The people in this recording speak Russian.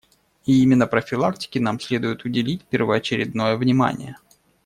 И именно профилактике нам следует уделить первоочередное внимание.